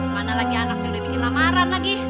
mana lagi anak sudah bikin lamaran lagi